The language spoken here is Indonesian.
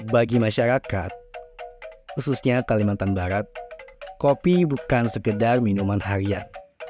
bagi masyarakat khususnya kalimantan barat kopi bukan sekedar minuman harian